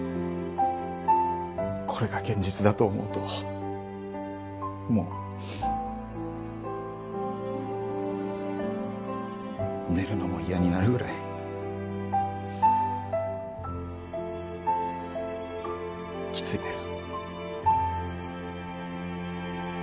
これが現実だと思うともう寝るのも嫌になるぐらいきついです。